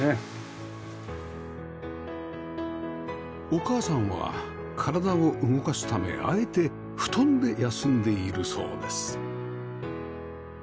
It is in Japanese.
お母さんは体を動かすためあえて布団で休んでいるそうです